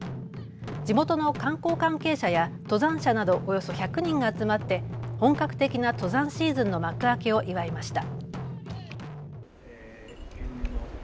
地元の観光関係者や登山者などおよそ１００人が集まって本格的な登山シーズンの幕開けを祝いました。